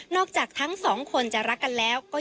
นอกจากทั้ง๒คนจะรักกันแล้วก็